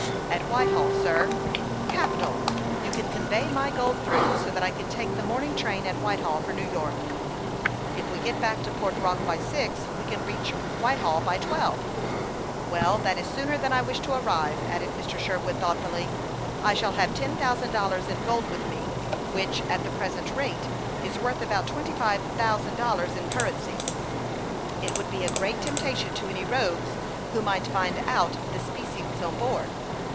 "At Whitehall, sir." " Capital ! You can convey my gold through, so that I can take the morning train at Whitehall for New York." " If we get back to Port Rock by six, we can reach Whitehall by twelve." " Well, that is sooner than I wish to arrive," added Mr. Sherwood, thoughtfully. " I shall have ten thou sand dollars in gold with me, which, at the present rate, is worth about twenty five thousand dollars in 270 HASTE AXI) WASTE, OR currency. It would be a great temptation to any rogues, who might find out the specie was on board.